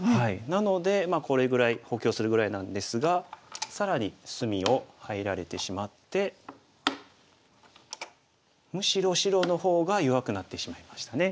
なのでこれぐらい補強するぐらいなんですが更に隅を入られてしまってむしろ白の方が弱くなってしまいましたね。